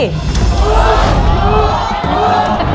แล้ววันนี้ผมมีสิ่งหนึ่งนะครับเป็นตัวแทนกำลังใจจากผมเล็กน้อยครับ